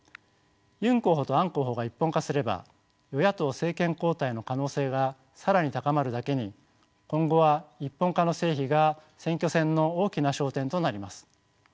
ユン候補とアン候補が一本化すれば与野党政権交代の可能性が更に高まるだけに今後は一本化の成否が選挙戦の大きな焦点となります。